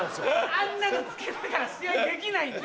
あんなのつけてたら試合できないんで。